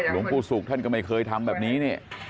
หลวงปู่ศุกร์ท่านก็ไม่เคยทำแบบนี้นี่